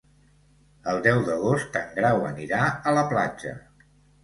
El deu d'agost en Grau anirà a la platja.